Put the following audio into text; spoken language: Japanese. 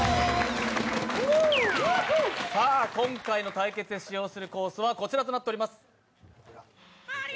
今回の対決で使用するコースはこちらとなっております。